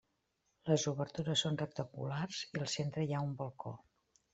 Les obertures són rectangulars i al centre hi ha un balcó.